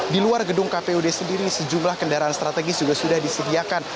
di luar gedung kpud sendiri sejumlah kendaraan strategis juga sudah disediakan